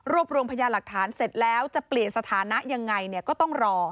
รวมรวมพยาหลักฐานเสร็จแล้วจะเปลี่ยนสถานะยังไงเนี่ยก็ต้องรอ